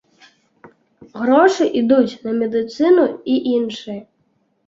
Грошы ідуць на медыцыну і іншае.